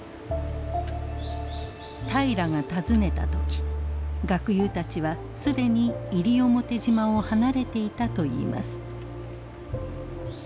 平良が訪ねた時学友たちはすでに西表島を離れていたといいます。